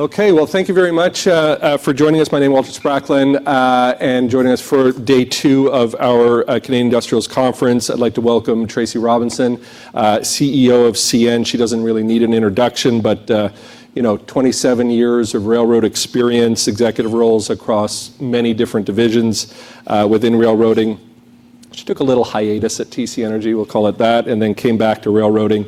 Okay, thank you very much for joining us. My name is Walter Spracklin, and joining us for day two of our Canadian Industrials Conference, I'd like to welcome Tracy Robinson, CEO of CN. She does not really need an introduction, but, you know, 27 years of railroad experience, executive roles across many different divisions within railroading. She took a little hiatus at TC Energy, we will call it that, and then came back to railroading,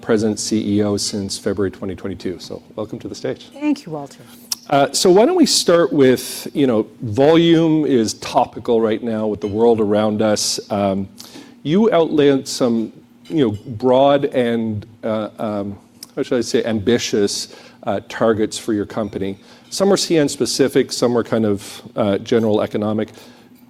present CEO since February 2022. Welcome to the stage. Thank you, Walter. Why don't we start with, you know, volume is topical right now with the world around us. You outlined some, you know, broad and, how should I say, ambitious targets for your company. Some are CN specific, some are kind of general economic.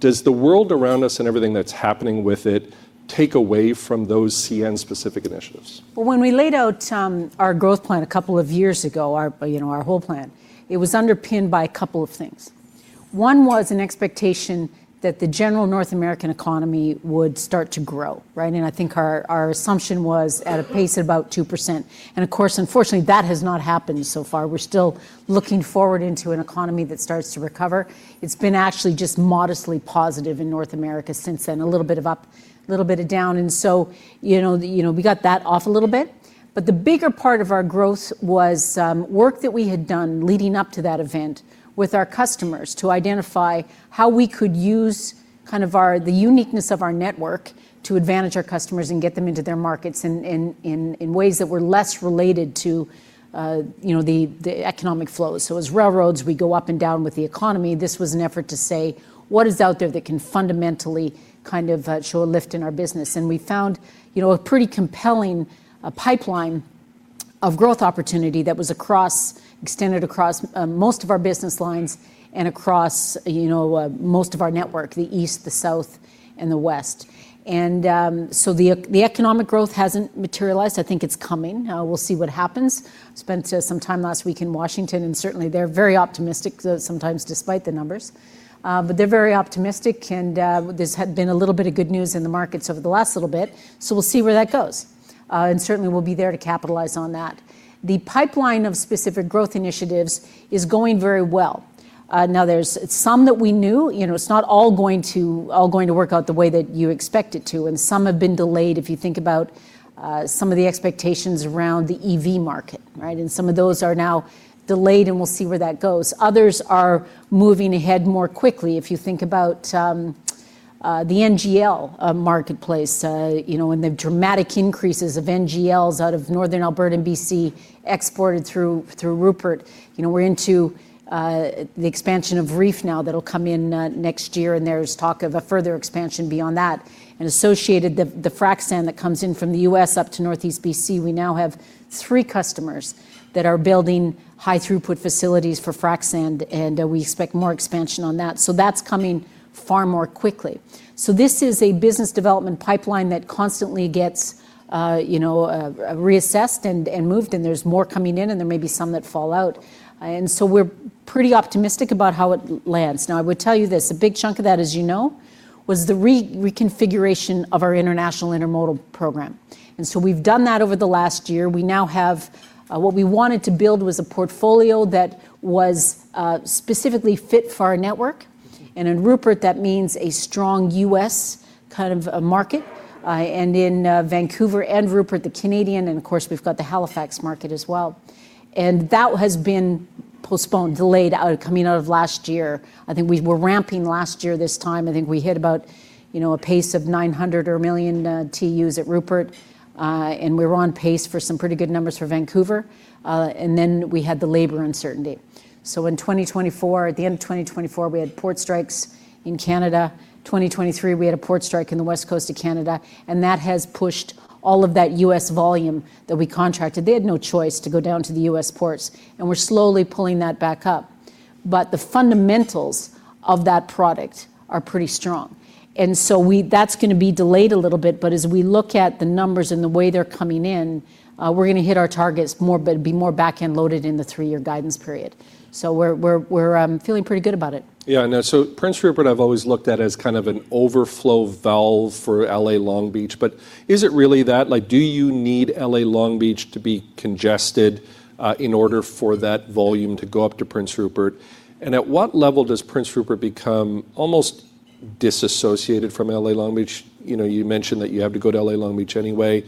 Does the world around us and everything that's happening with it take away from those CN specific initiatives? When we laid out our growth plan a couple of years ago, our, you know, our whole plan, it was underpinned by a couple of things. One was an expectation that the general North American economy would start to grow, right? I think our assumption was at a pace at about 2%. Of course, unfortunately, that has not happened so far. We're still looking forward into an economy that starts to recover. It's been actually just modestly positive in North America since then, a little bit of up, a little bit of down. You know, we got that off a little bit. The bigger part of our growth was work that we had done leading up to that event with our customers to identify how we could use kind of our, the uniqueness of our network to advantage our customers and get them into their markets in ways that were less related to, you know, the economic flows. As railroads, we go up and down with the economy. This was an effort to say, what is out there that can fundamentally kind of show a lift in our business? We found, you know, a pretty compelling pipeline of growth opportunity that was across, extended across most of our business lines and across, you know, most of our network, the east, the south, and the west. The economic growth has not materialized. I think it is coming. We will see what happens. I spent some time last week in Washington, and certainly they're very optimistic sometimes despite the numbers, but they're very optimistic. There's been a little bit of good news in the markets over the last little bit. We'll see where that goes. Certainly we'll be there to capitalize on that. The pipeline of specific growth initiatives is going very well. Now there's some that we knew, you know, it's not all going to, all going to work out the way that you expect it to. Some have been delayed if you think about some of the expectations around the EV market, right? Some of those are now delayed, and we'll see where that goes. Others are moving ahead more quickly. If you think about the NGL marketplace, you know, and the dramatic increases of NGLs out of Northern Alberta and BC exported through Rupert. You know, we're into the expansion of Reef now that'll come in next year. There's talk of a further expansion beyond that and associated with the frac sand that comes in from the U.S. up to Northeast BC. We now have three customers that are building high throughput facilities for frac sand, and we expect more expansion on that. That's coming far more quickly. This is a business development pipeline that constantly gets, you know, reassessed and moved, and there's more coming in, and there may be some that fall out. We're pretty optimistic about how it lands. Now I would tell you this, a big chunk of that, as you know, was the reconfiguration of our international intermodal program. We've done that over the last year. We now have, what we wanted to build was a portfolio that was specifically fit for our network. In Rupert, that means a strong U.S. kind of market. In Vancouver and Rupert, the Canadian, and of course we have the Halifax market as well. That has been postponed, delayed out of, coming out of last year. I think we were ramping last year at this time. I think we hit about, you know, a pace of 900,000 or a million TEUs at Rupert. We were on pace for some pretty good numbers for Vancouver. We had the labor uncertainty. In 2024, at the end of 2024, we had port strikes in Canada. In 2023, we had a port strike in the west coast of Canada. That has pushed all of that U.S. volume that we contracted. They had no choice to go down to the U.S. ports, and we're slowly pulling that back up. The fundamentals of that product are pretty strong. We, that's going to be delayed a little bit. As we look at the numbers and the way they're coming in, we're going to hit our targets more, but be more back end loaded in the three year guidance period. We're feeling pretty good about it. Yeah. Prince Rupert, I've always looked at as kind of an overflow valve for LA Long Beach. Is it really that? Do you need LA Long Beach to be congested in order for that volume to go up to Prince Rupert? At what level does Prince Rupert become almost disassociated from LA Long Beach? You know, you mentioned that you have to go to LA Long Beach anyway.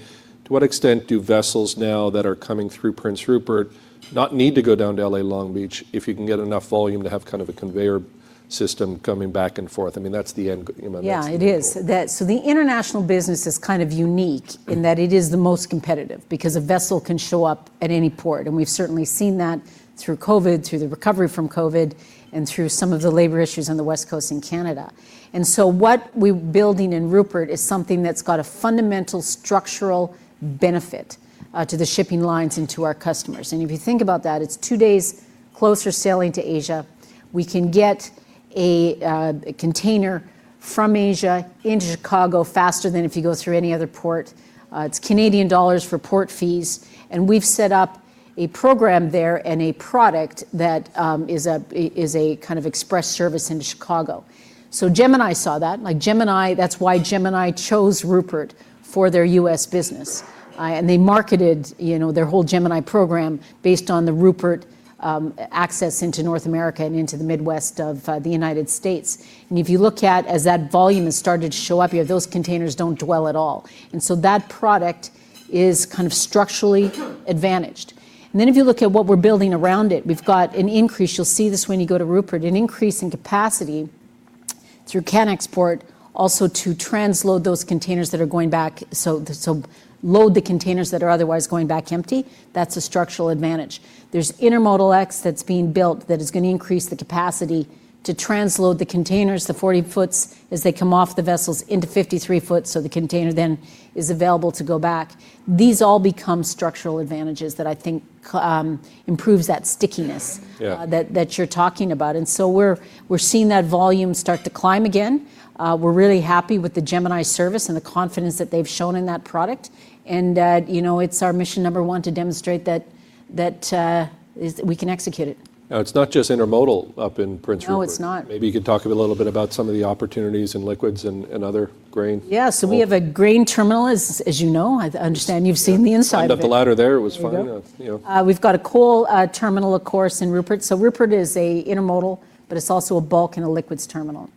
To what extent do vessels now that are coming through Prince Rupert not need to go down to LA Long Beach if you can get enough volume to have kind of a conveyor system coming back and forth? I mean, that's the end goal. Yeah, it is. The international business is kind of unique in that it is the most competitive because a vessel can show up at any port. We've certainly seen that through COVID, through the recovery from COVID, and through some of the labor issues on the west coast in Canada. What we're building in Rupert is something that's got a fundamental structural benefit to the shipping lines and to our customers. If you think about that, it's two days closer sailing to Asia. We can get a container from Asia into Chicago faster than if you go through any other port. It's CAD for port fees. We've set up a program there and a product that is a kind of express service into Chicago. Gemini saw that, like Gemini, that's why Gemini chose Rupert for their U.S. business. They marketed, you know, their whole Gemini program based on the Rupert access into North America and into the Midwest of the United States. If you look at, as that volume has started to show up here, those containers do not well at all. That product is kind of structurally advantaged. If you look at what we are building around it, we have got an increase, you will see this when you go to Rupert, an increase in capacity through CAN Export, also to transload those containers that are going back. Load the containers that are otherwise going back empty. That is a structural advantage. There is Intermodal X that is being built that is going to increase the capacity to transload the containers, the 40 foots as they come off the vessels into 53 foots. The container then is available to go back. These all become structural advantages that I think improve that stickiness that you're talking about. We are seeing that volume start to climb again. We are really happy with the Gemini service and the confidence that they have shown in that product. You know, it is our mission number one to demonstrate that we can execute it. Now it's not just intermodal up in Prince Rupert. No, it's not. Maybe you could talk a little bit about some of the opportunities in liquids and other grain. Yeah. We have a grain terminal, as you know. I understand you've seen the inside. I thought the ladder there was fine. We've got a coal terminal, of course, in Rupert. Rupert is an intermodal, but it's also a bulk and a liquids terminal.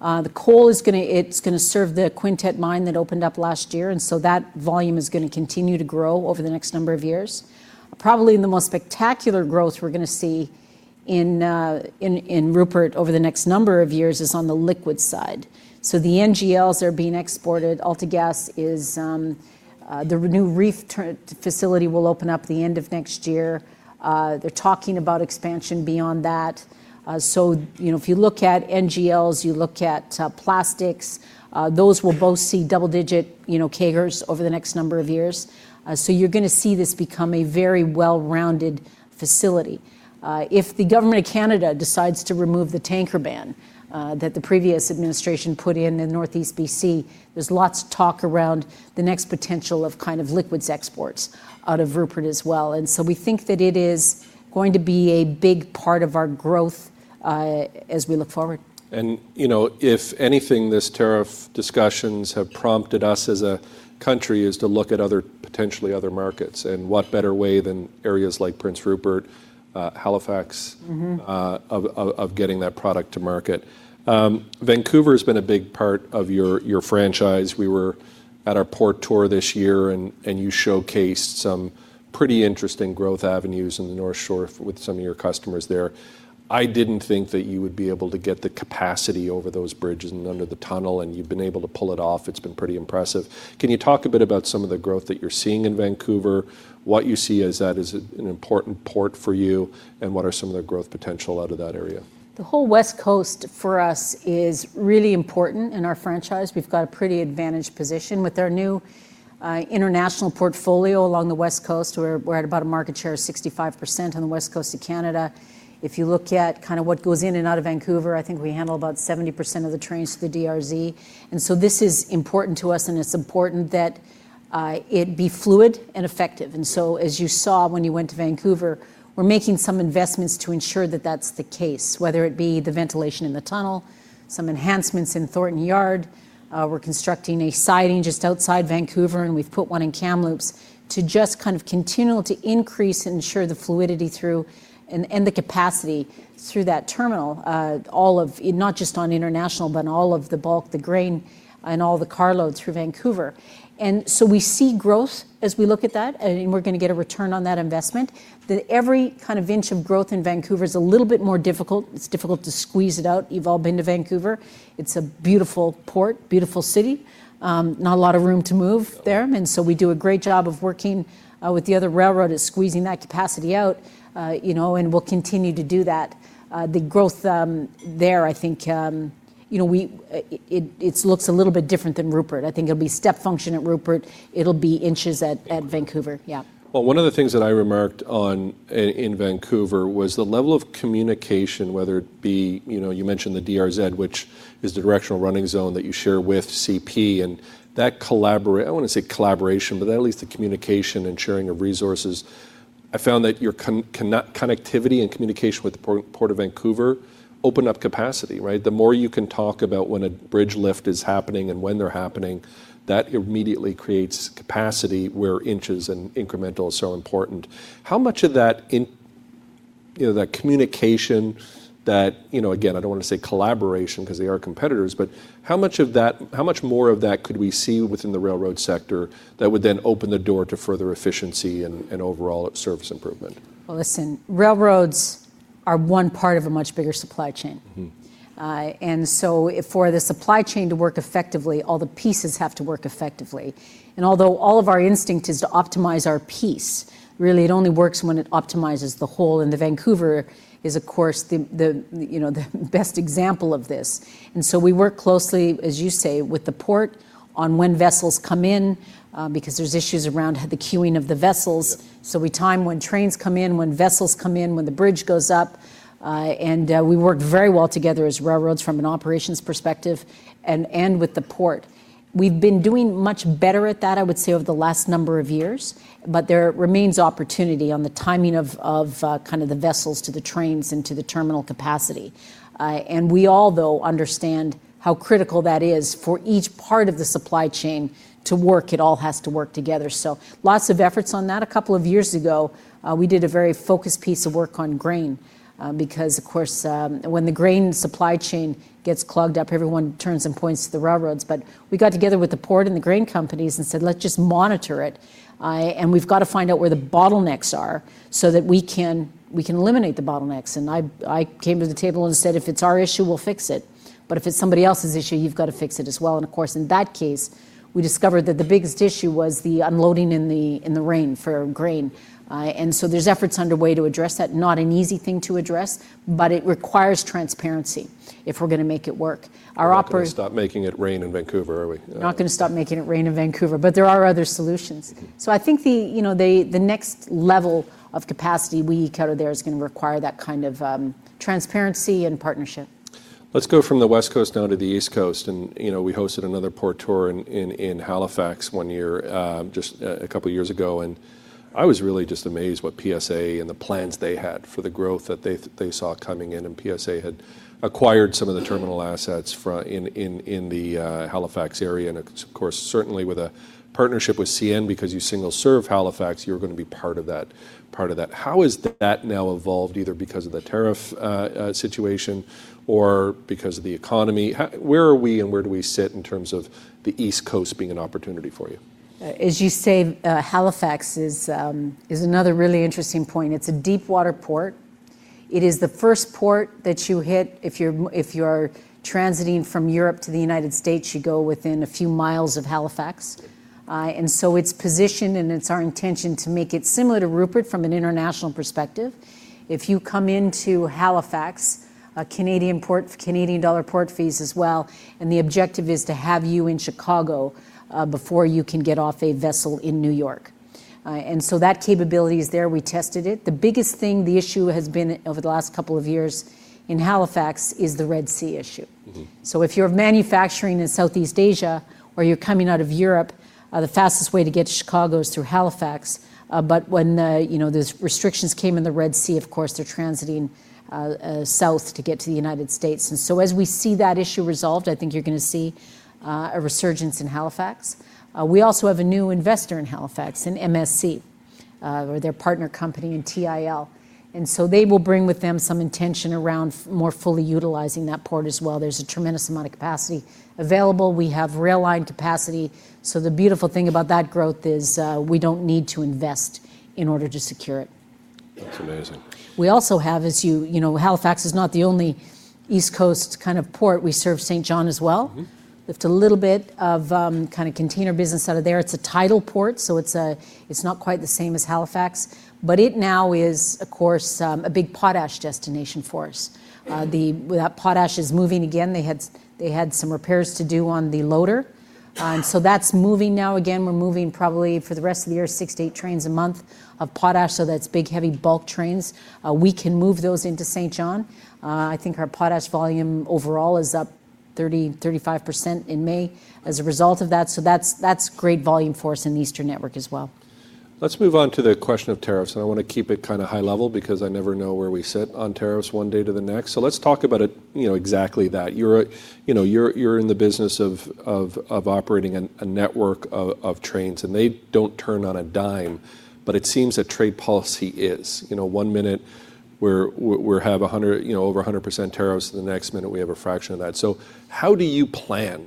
The coal is going to serve the Quintette mine that opened up last year. That volume is going to continue to grow over the next number of years. Probably the most spectacular growth we're going to see in Rupert over the next number of years is on the liquid side. The NGLs are being exported. AltaGas's new Reef facility will open up at the end of next year. They're talking about expansion beyond that. You know, if you look at NGLs, you look at plastics, those will both see double-digit, you know, CAGRs over the next number of years. You're going to see this become a very well-rounded facility. If the government of Canada decides to remove the tanker ban that the previous administration put in in Northeast BC, there is lots of talk around the next potential of kind of liquids exports out of Rupert as well. We think that it is going to be a big part of our growth as we look forward. You know, if anything, this tariff discussions have prompted us as a country to look at potentially other markets. What better way than areas like Prince Rupert, Halifax, of getting that product to market. Vancouver has been a big part of your franchise. We were at our port tour this year, and you showcased some pretty interesting growth avenues in the North Shore with some of your customers there. I did not think that you would be able to get the capacity over those bridges and under the tunnel, and you have been able to pull it off. It has been pretty impressive. Can you talk a bit about some of the growth that you are seeing in Vancouver? What you see as that is an important port for you, and what are some of the growth potential out of that area? The whole west coast for us is really important in our franchise. We've got a pretty advantaged position with our new international portfolio along the west coast. We're at about a market share of 65% on the west coast of Canada. If you look at kind of what goes in and out of Vancouver, I think we handle about 70% of the trains to the DRZ. This is important to us, and it's important that it be fluid and effective. As you saw when you went to Vancouver, we're making some investments to ensure that that's the case, whether it be the ventilation in the tunnel, some enhancements in Thornton Yard. We're constructing a siding just outside Vancouver, and we've put one in Kamloops to just kind of continue to increase and ensure the fluidity through and the capacity through that terminal, all of, not just on international, but all of the bulk, the grain, and all the carloads through Vancouver. We see growth as we look at that, and we're going to get a return on that investment. Every kind of inch of growth in Vancouver is a little bit more difficult. It's difficult to squeeze it out. You've all been to Vancouver. It's a beautiful port, beautiful city, not a lot of room to move there. We do a great job of working with the other railroad at squeezing that capacity out, you know, and we'll continue to do that. The growth there, I think, you know, it looks a little bit different than Rupert. I think it'll be step function at Rupert. It'll be inches at Vancouver. Yeah. One of the things that I remarked on in Vancouver was the level of communication, whether it be, you know, you mentioned the DRZ, which is the directional running zone that you share with CP, and that collaborate, I want to say collaboration, but then at least the communication and sharing of resources. I found that your connectivity and communication with the Port of Vancouver open up capacity, right? The more you can talk about when a bridge lift is happening and when they're happening, that immediately creates capacity where inches and incremental is so important. How much of that, you know, that communication, that, you know, again, I do not want to say collaboration because they are competitors, but how much of that, how much more of that could we see within the railroad sector that would then open the door to further efficiency and overall service improvement? Railroads are one part of a much bigger supply chain. For the supply chain to work effectively, all the pieces have to work effectively. Although all of our instinct is to optimize our piece, really it only works when it optimizes the whole. Vancouver is, of course, the, you know, the best example of this. We work closely, as you say, with the port on when vessels come in, because there are issues around the queuing of the vessels. We time when trains come in, when vessels come in, when the bridge goes up. We worked very well together as railroads from an operations perspective and with the port. We've been doing much better at that, I would say, over the last number of years, but there remains opportunity on the timing of kind of the vessels to the trains and to the terminal capacity. We all, though, understand how critical that is for each part of the supply chain to work. It all has to work together. Lots of efforts on that. A couple of years ago, we did a very focused piece of work on grain, because of course, when the grain supply chain gets clogged up, everyone turns and points to the railroads. We got together with the port and the grain companies and said, let's just monitor it. We've got to find out where the bottlenecks are so that we can eliminate the bottlenecks. I came to the table and said, if it's our issue, we'll fix it. If it is somebody else's issue, you have to fix it as well. Of course, in that case, we discovered that the biggest issue was the unloading in the rain for grain. There are efforts underway to address that. Not an easy thing to address, but it requires transparency if we are going to make it work. We're not going to stop making it rain in Vancouver, are we? Not going to stop making it rain in Vancouver, but there are other solutions. I think the, you know, the next level of capacity we kind of, there is going to require that kind of transparency and partnership. Let's go from the west coast now to the east coast. You know, we hosted another port tour in Halifax one year, just a couple of years ago. I was really just amazed what PSA and the plans they had for the growth that they saw coming in. PSA had acquired some of the terminal assets in the Halifax area. Of course, certainly with a partnership with CN, because you single serve Halifax, you're going to be part of that, part of that. How has that now evolved, either because of the tariff situation or because of the economy? Where are we and where do we sit in terms of the east coast being an opportunity for you? As you say, Halifax is another really interesting point. It is a deep water port. It is the first port that you hit if you are transiting from Europe to the United States. You go within a few miles of Halifax. It is positioned and it is our intention to make it similar to Rupert from an international perspective. If you come into Halifax, a Canadian port, Canadian dollar port fees as well. The objective is to have you in Chicago before you can get off a vessel in New York. That capability is there. We tested it. The biggest thing, the issue has been over the last couple of years in Halifax is the Red Sea issue. If you are manufacturing in Southeast Asia or you are coming out of Europe, the fastest way to get to Chicago is through Halifax. When, you know, those restrictions came in the Red Sea, of course, they're transiting south to get to the United States. As we see that issue resolved, I think you're going to see a resurgence in Halifax. We also have a new investor in Halifax, an MSC or their partner company in TIL. They will bring with them some intention around more fully utilizing that port as well. There's a tremendous amount of capacity available. We have rail line capacity. The beautiful thing about that growth is we don't need to invest in order to secure it. That's amazing. We also have, as you know, Halifax is not the only east coast kind of port. We serve St. John as well. Lift a little bit of kind of container business out of there. It is a tidal port. It is not quite the same as Halifax, but it now is, of course, a big potash destination for us. The potash is moving again. They had some repairs to do on the loader. That is moving now. Again, we are moving probably for the rest of the year, 6-8 trains a month of potash. That is big, heavy bulk trains. We can move those into St. John. I think our potash volume overall is up 30% to 35% in May as a result of that. That is great volume for us in the Eastern Network as well. Let's move on to the question of tariffs. I want to keep it kind of high level because I never know where we sit on tariffs one day to the next. Let's talk about it, you know, exactly that. You're, you know, you're in the business of operating a network of trains, and they don't turn on a dime, but it seems that trade policy is, you know, one minute we have 100, you know, over 100% tariffs, and the next minute we have a fraction of that. How do you plan?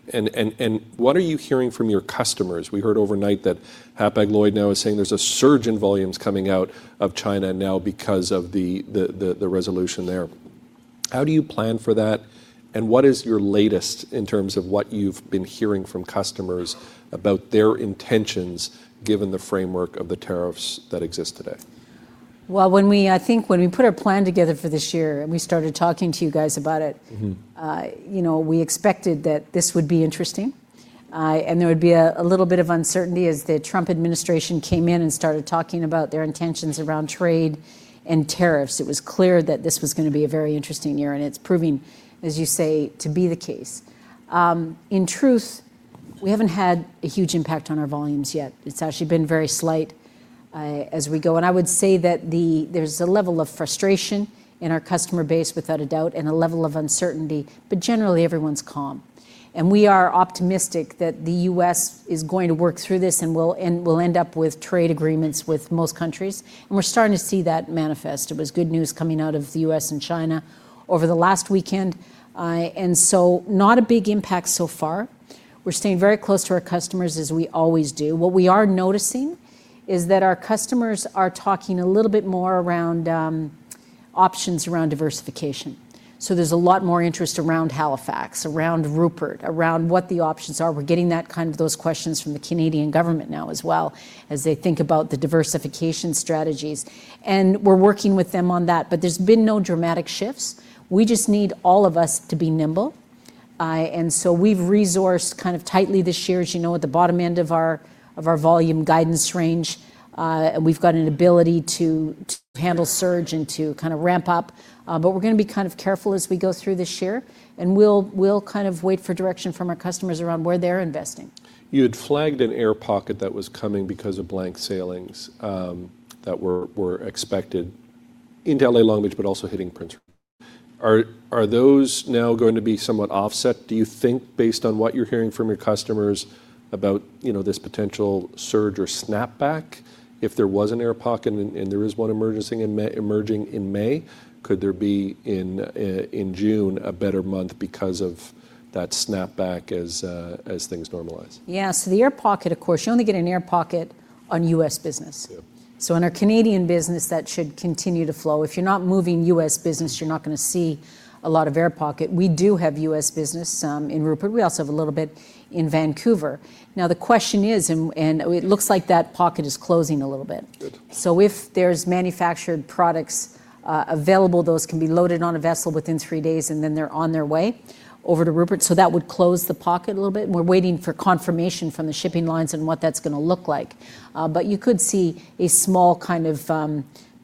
What are you hearing from your customers? We heard overnight that Hapag-Lloyd now is saying there's a surge in volumes coming out of China now because of the resolution there. How do you plan for that? What is your latest in terms of what you've been hearing from customers about their intentions given the framework of the tariffs that exist today? When we, I think when we put our plan together for this year and we started talking to you guys about it, you know, we expected that this would be interesting and there would be a little bit of uncertainty as the Trump administration came in and started talking about their intentions around trade and tariffs. It was clear that this was going to be a very interesting year, and it's proving, as you say, to be the case. In truth, we haven't had a huge impact on our volumes yet. It's actually been very slight as we go. I would say that there's a level of frustration in our customer base, without a doubt, and a level of uncertainty, but generally everyone's calm. We are optimistic that the U.S. is going to work through this and we'll end up with trade agreements with most countries. We're starting to see that manifest. It was good news coming out of the U.S. and China over the last weekend. Not a big impact so far. We're staying very close to our customers as we always do. What we are noticing is that our customers are talking a little bit more around options around diversification. There's a lot more interest around Halifax, around Rupert, around what the options are. We're getting those questions from the Canadian government now as well as they think about the diversification strategies. We're working with them on that, but there's been no dramatic shifts. We just need all of us to be nimble. We've resourced kind of tightly this year, as you know, at the bottom end of our volume guidance range. We've got an ability to handle surge and to kind of ramp up. We are going to be kind of careful as we go through this year. We'll kind of wait for direction from our customers around where they're investing. You had flagged an air pocket that was coming because of blank sailings that were expected into L.A. Long Beach, but also hitting Prince Rupert. Are those now going to be somewhat offset, do you think, based on what you're hearing from your customers about, you know, this potential surge or snapback? If there was an air pocket and there is one emerging in May, could there be in June a better month because of that snapback as things normalize? Yeah. The air pocket, of course, you only get an air pocket on U.S. business. On our Canadian business, that should continue to flow. If you're not moving U.S. business, you're not going to see a lot of air pocket. We do have U.S. business in Rupert. We also have a little bit in Vancouver. The question is, and it looks like that pocket is closing a little bit. If there are manufactured products available, those can be loaded on a vessel within three days and then they're on their way over to Rupert. That would close the pocket a little bit. We're waiting for confirmation from the shipping lines and what that's going to look like. You could see a small kind of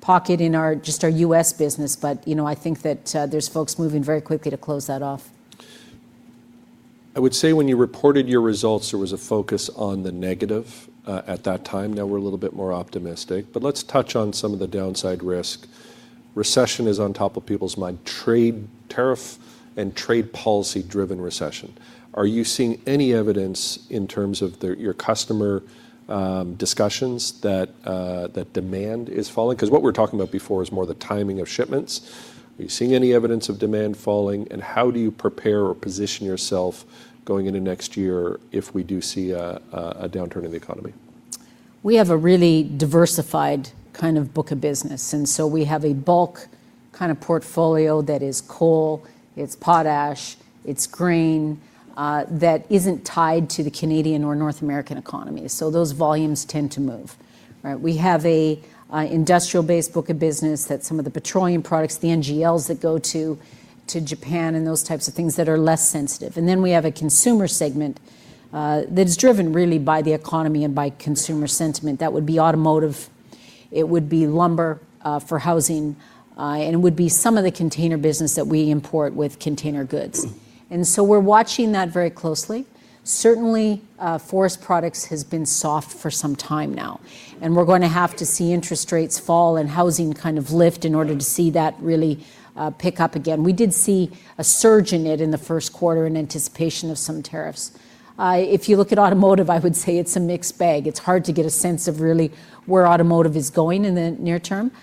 pocket in just our U.S. business. You know, I think that there's folks moving very quickly to close that off. I would say when you reported your results, there was a focus on the negative at that time. Now we're a little bit more optimistic, but let's touch on some of the downside risk. Recession is on top of people's mind. Trade tariff and trade policy driven recession. Are you seeing any evidence in terms of your customer discussions that demand is falling? Because what we're talking about before is more the timing of shipments. Are you seeing any evidence of demand falling? How do you prepare or position yourself going into next year if we do see a downturn in the economy? We have a really diversified kind of book of business. We have a bulk kind of portfolio that is coal, it is potash, it is grain that is not tied to the Canadian or North American economy. Those volumes tend to move. We have an industrial-based book of business that is some of the petroleum products, the NGLs that go to Japan and those types of things that are less sensitive. We have a consumer segment that is driven really by the economy and by consumer sentiment. That would be automotive. It would be lumber for housing. It would be some of the container business that we import with container goods. We are watching that very closely. Certainly, forest products has been soft for some time now. We're going to have to see interest rates fall and housing kind of lift in order to see that really pick up again. We did see a surge in it in the first quarter in anticipation of some tariffs. If you look at automotive, I would say it's a mixed bag. It's hard to get a sense of really where automotive is going in the near term.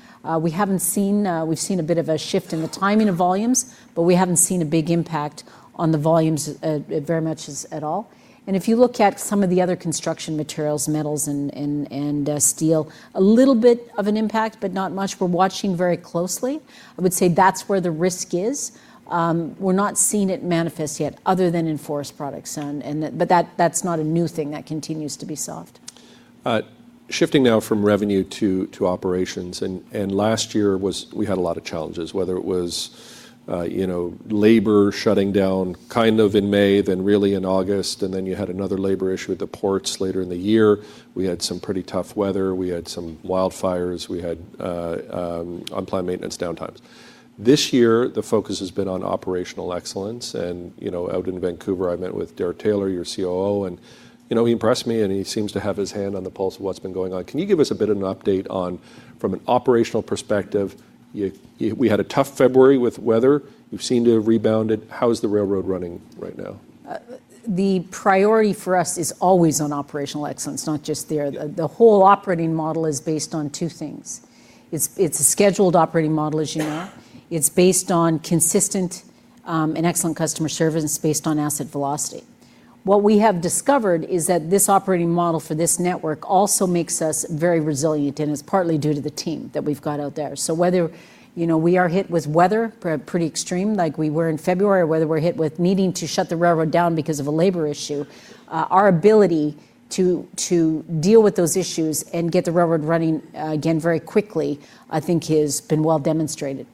We haven't seen, we've seen a bit of a shift in the timing of volumes, but we haven't seen a big impact on the volumes very much at all. If you look at some of the other construction materials, metals and steel, a little bit of an impact, but not much. We're watching very closely. I would say that's where the risk is. We're not seeing it manifest yet other than in forest products. That's not a new thing that continues to be soft. Shifting now from revenue to operations. Last year we had a lot of challenges, whether it was, you know, labor shutting down kind of in May, then really in August. You had another labor issue at the ports later in the year. We had some pretty tough weather. We had some wildfires. We had unplanned maintenance downtimes. This year, the focus has been on operational excellence. You know, out in Vancouver, I met with Derek Taylor, your COO. He impressed me and he seems to have his hand on the pulse of what's been going on. Can you give us a bit of an update from an operational perspective? We had a tough February with weather. We've seen it rebounded. How is the railroad running right now? The priority for us is always on operational excellence, not just there. The whole operating model is based on two things. It is a scheduled operating model, as you know. It is based on consistent and excellent customer service and it is based on asset velocity. What we have discovered is that this operating model for this network also makes us very resilient. It is partly due to the team that we have got out there. Whether, you know, we are hit with weather pretty extreme, like we were in February, or whether we are hit with needing to shut the railroad down because of a labor issue, our ability to deal with those issues and get the railroad running again very quickly, I think, has been well demonstrated.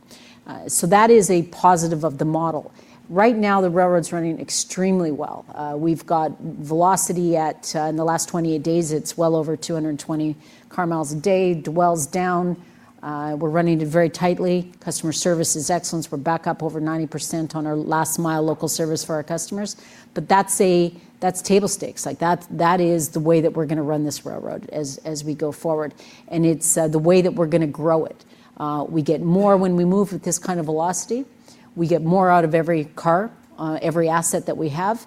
That is a positive of the model. Right now, the railroad is running extremely well. We've got velocity at, in the last 28 days, it's well over 220 car miles a day, dwells down. We're running it very tightly. Customer service is excellence. We're back up over 90% on our last mile local service for our customers. That is table stakes. Like that is the way that we're going to run this railroad as we go forward. It is the way that we're going to grow it. We get more when we move with this kind of velocity. We get more out of every car, every asset that we have.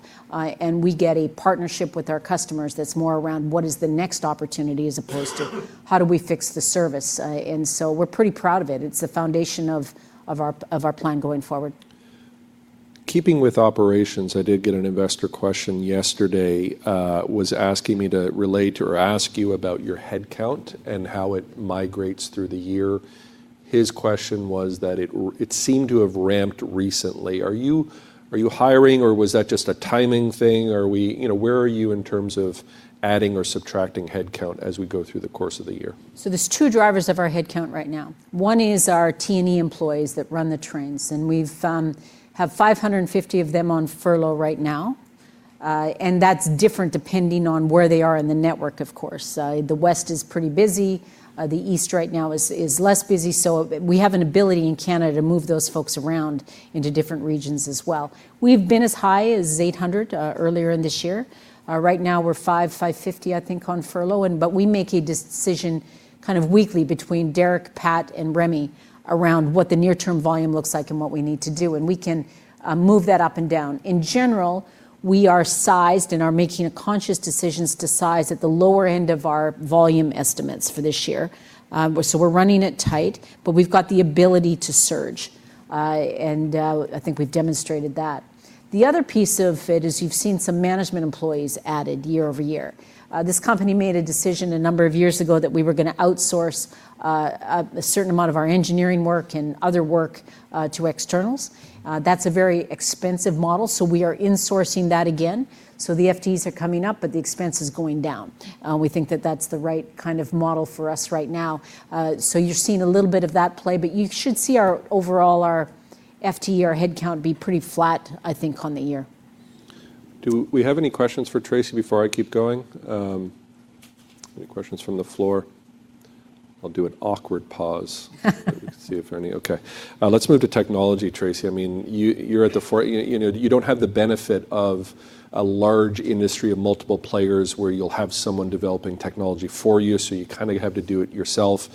We get a partnership with our customers that's more around what is the next opportunity as opposed to how do we fix the service. We're pretty proud of it. It's the foundation of our plan going forward. Keeping with operations, I did get an investor question yesterday. Was asking me to relate or ask you about your headcount and how it migrates through the year. His question was that it seemed to have ramped recently. Are you hiring or was that just a timing thing? Or, you know, where are you in terms of adding or subtracting headcount as we go through the course of the year? There are two drivers of our headcount right now. One is our T&E employees that run the trains. We have 550 of them on furlough right now. That is different depending on where they are in the network, of course. The West is pretty busy. The East right now is less busy. We have an ability in Canada to move those folks around into different regions as well. We have been as high as 800 earlier in this year. Right now we are 550, I think, on furlough. We make a decision kind of weekly between Derek, Pat, and Remi around what the near-term volume looks like and what we need to do. We can move that up and down. In general, we are sized and are making conscious decisions to size at the lower end of our volume estimates for this year. We're running it tight, but we've got the ability to surge. I think we've demonstrated that. The other piece of it is you've seen some management employees added year over year. This company made a decision a number of years ago that we were going to outsource a certain amount of our engineering work and other work to externals. That's a very expensive model. We are insourcing that again. The FTs are coming up, but the expense is going down. We think that that's the right kind of model for us right now. You're seeing a little bit of that play, but you should see overall our FT, our headcount be pretty flat, I think, on the year. Do we have any questions for Tracy before I keep going? Any questions from the floor? I'll do an awkward pause. See if there are any. Okay. Let's move to technology, Tracy. I mean, you're at the fore, you know, you don't have the benefit of a large industry of multiple players where you'll have someone developing technology for you. So you kind of have to do it yourself.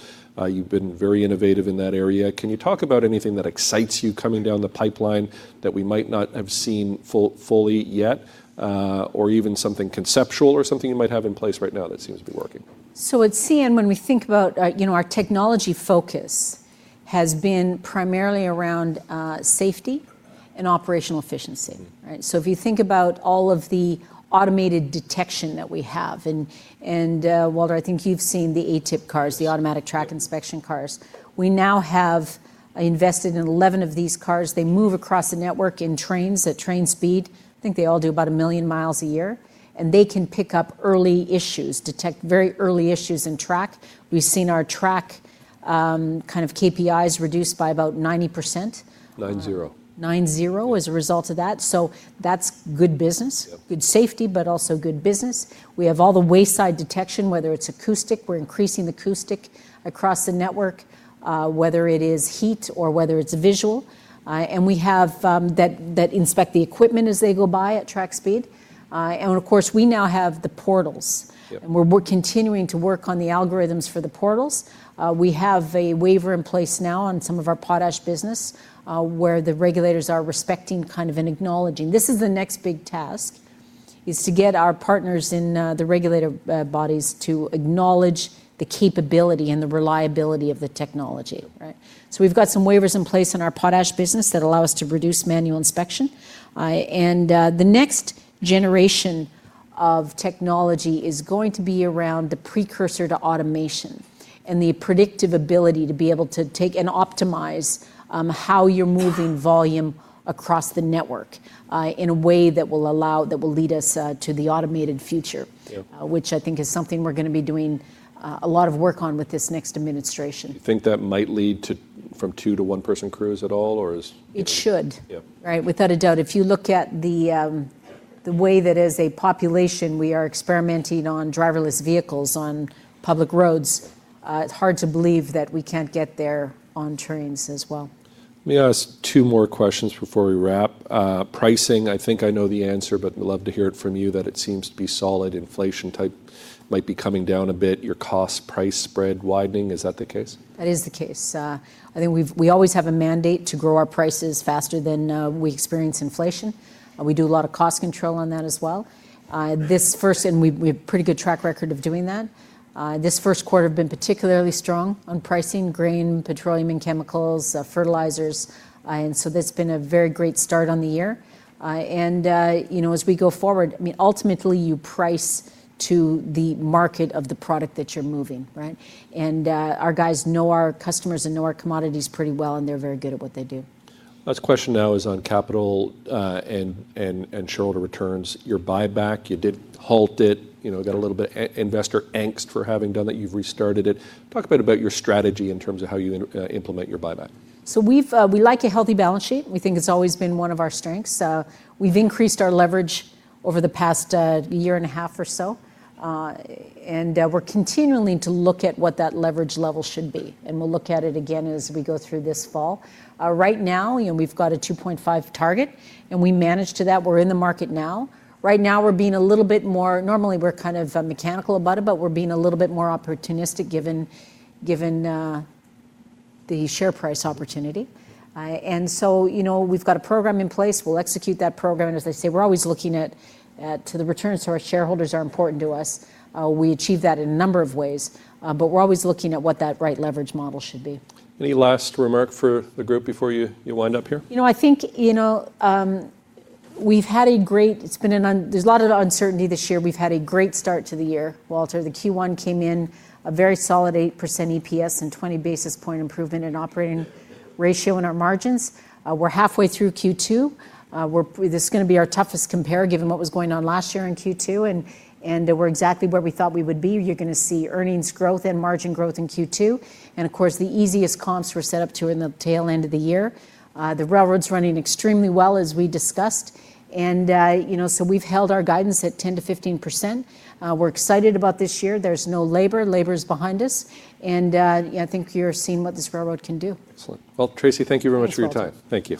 You've been very innovative in that area. Can you talk about anything that excites you coming down the pipeline that we might not have seen fully yet? Or even something conceptual or something you might have in place right now that seems to be working? At CN, when we think about, you know, our technology focus has been primarily around safety and operational efficiency. If you think about all of the automated detection that we have, and Walter, I think you've seen the ATIP cars, the automated track inspection cars. We now have invested in 11 of these cars. They move across the network in trains at train speed. I think they all do about 1 million miles a year. They can pick up early issues, detect very early issues in track. We've seen our track kind of KPIs reduced by about 90%. Nine zero. Nine zero as a result of that. That is good business, good safety, but also good business. We have all the wayside detection, whether it is acoustic, we are increasing the acoustic across the network, whether it is heat or whether it is visual. We have that inspect the equipment as they go by at track speed. Of course, we now have the portals. We are continuing to work on the algorithms for the portals. We have a waiver in place now on some of our potash business where the regulators are respecting and acknowledging. The next big task is to get our partners in the regulator bodies to acknowledge the capability and the reliability of the technology. We have some waivers in place in our potash business that allow us to reduce manual inspection. The next generation of technology is going to be around the precursor to automation and the predictive ability to be able to take and optimize how you're moving volume across the network in a way that will allow, that will lead us to the automated future, which I think is something we're going to be doing a lot of work on with this next administration. You think that might lead to from two to one person crews at all, or is? It should. Right. Without a doubt. If you look at the way that as a population, we are experimenting on driverless vehicles on public roads, it's hard to believe that we can't get there on trains as well. Let me ask two more questions before we wrap. Pricing, I think I know the answer, but we'd love to hear it from you that it seems to be solid. Inflation type might be coming down a bit. Your cost price spread widening, is that the case? That is the case. I think we always have a mandate to grow our prices faster than we experience inflation. We do a lot of cost control on that as well. This first, and we have a pretty good track record of doing that. This first quarter has been particularly strong on pricing, grain, petroleum and chemicals, fertilizers. That has been a very great start on the year. You know, as we go forward, I mean, ultimately you price to the market of the product that you are moving. Our guys know our customers and know our commodities pretty well and they are very good at what they do. Last question now is on capital and shareholder returns. Your buyback, you did halt it, you know, got a little bit investor angst for having done that. You've restarted it. Talk a bit about your strategy in terms of how you implement your buyback. We like a healthy balance sheet. We think it's always been one of our strengths. We've increased our leverage over the past year and a half or so. We're continuing to look at what that leverage level should be. We'll look at it again as we go through this fall. Right now, you know, we've got a 2.5 target and we manage to that. We're in the market now. Right now we're being a little bit more, normally we're kind of mechanical about it, but we're being a little bit more opportunistic given the share price opportunity. You know, we've got a program in place. We'll execute that program. As I say, we're always looking at the returns. Our shareholders are important to us. We achieve that in a number of ways, but we're always looking at what that right leverage model should be. Any last remark for the group before you wind up here? You know, I think, you know, we've had a great, it's been an, there's a lot of uncertainty this year. We've had a great start to the year, Walter. The Q1 came in a very solid 8% EPS and 20 basis point improvement in operating ratio in our margins. We're halfway through Q2. This is going to be our toughest compare given what was going on last year in Q2. We're exactly where we thought we would be. You're going to see earnings growth and margin growth in Q2. Of course, the easiest comps were set up to in the tail end of the year. The railroad's running extremely well as we discussed. You know, so we've held our guidance at 10% to 15%. We're excited about this year. There's no labor. Labor is behind us. I think you're seeing what this railroad can do. Excellent. Tracy, thank you very much for your time. Thank you.